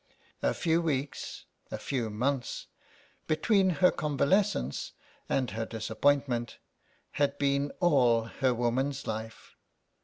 A few weeks, a few months, between her convalescence and her disappointment had been all her woman's life.